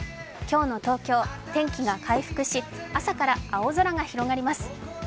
今日の東京、天気が回復し朝から青空が広がります。